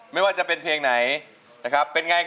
รู้สึกมีอาการ